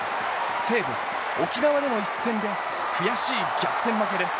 西武、沖縄での一戦で悔しい逆転負けです。